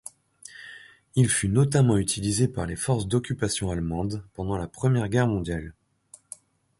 Il fut notamment utilisé par les forces d'occupation allemandes pendant la Première Guerre mondiale.